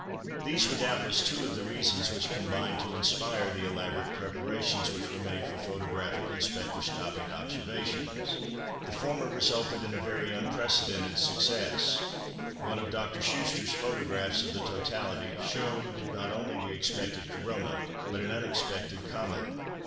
These were doubtless two of the reasons which combined to inspire the elaborate preparations which were made for photographic and spectroscopic observations. The former resulted in a very unprecedented success. One of Dr. Schuster's photographs of the totality showed not only the expected Corona, but an unexpected comet.